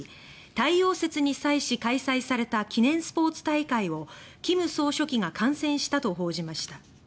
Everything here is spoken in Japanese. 太陽節に際し開催された記念スポーツ大会を金総書記が観戦したと報じました。